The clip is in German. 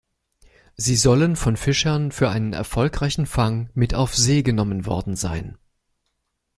Sie sollen von Fischern für einen erfolgreichen Fang mit auf See genommen worden sein.